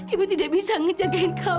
ibu tidak bisa ngejagain kamu